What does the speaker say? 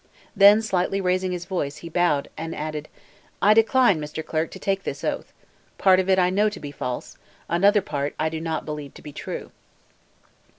Then slightly raising his voice, he bowed, and added, "I decline, Mr. Clerk, to take this oath. Part of it I know to be false; another part I do not believe to be true."